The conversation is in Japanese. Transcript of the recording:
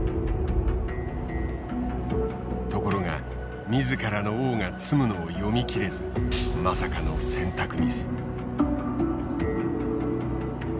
ところが自らの王が詰むのを読み切れずまさかの選択ミス。